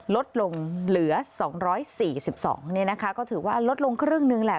ลดลงเหลือ๒๔๒นี่นะคะก็ถือว่าลดลงครึ่งนึงแหละ